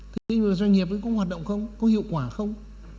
thế nhưng mà doanh nghiệp có hoạt động không có hiệu quả không